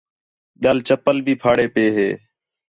ٻِیال چپّل بھی پھاڑے پئے ہے